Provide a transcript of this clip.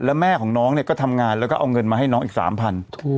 แล้วแม่ของน้องเนี่ยก็ทำงานแล้วก็เอาเงินมาให้น้องอีก๓๐๐บาท